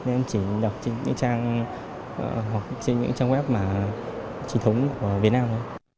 em chỉ đọc trên những trang hoặc trên những trang web mà trình thống ở việt nam